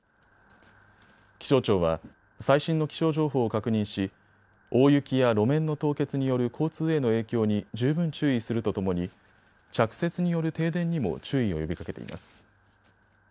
気象庁は最新の気象情報を確認し大雪や路面の凍結による交通への影響に十分注意するとともに着雪による停電にも注意を呼びかけています。